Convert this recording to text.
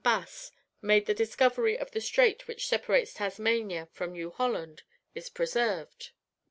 Bass made the discovery of the strait which separates Tasmania from New Holland is preserved.